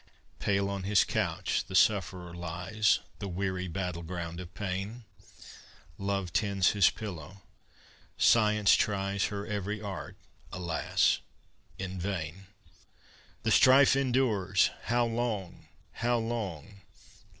III Pale on his couch the sufferer lies, The weary battle ground of pain: Love tends his pillow; Science tries Her every art, alas! in vain. The strife endures how long! how long!